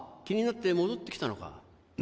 気になって戻って来たのか？